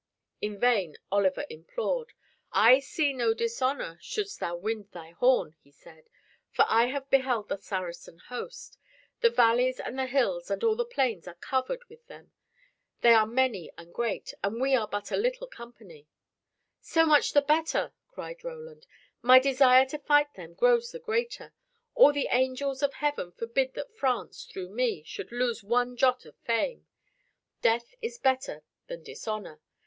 In vain Oliver implored. "I see no dishonor shouldst thou wind thy horn," he said, "for I have beheld the Saracen host. The valleys and the hills and all the plains are covered with them. They are many and great, and we are but a little company." "So much the better," cried Roland, "my desire to fight them grows the greater. All the angels of heaven forbid that France, through me, should lose one jot of fame. Death is better than dishonor.